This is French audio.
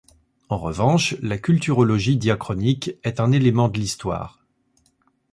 En revanche, la culturologie diachronique est un élément de l'histoire.